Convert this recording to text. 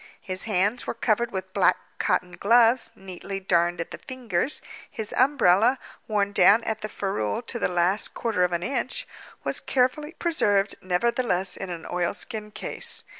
His hands were covered with black cotton gloves neatly darned at the fingers; his umbrella, worn down at the ferule to the last quarter of an inch, was carefully preserved, nevertheless, in an oilskin case.